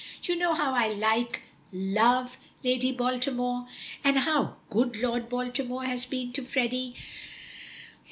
"You know how I like, love Lady Baltimore, and how good Lord Baltimore has been to Freddy.